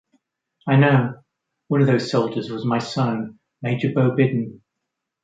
I know. One of those soldiers was my son Major Beau Biden.